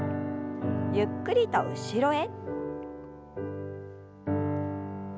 ゆっくりと後ろへ。